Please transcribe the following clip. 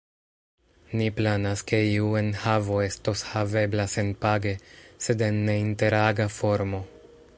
Ni planas, ke iu enhavo estos havebla senpage, sed en ne-interaga formo.